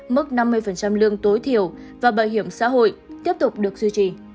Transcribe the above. mức năm mươi lương tối thiểu và bảo hiểm xã hội tiếp tục được duy trì